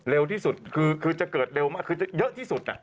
เร็วที่สุดคือจะเกิดเร็วมากคือจะเยอะที่สุด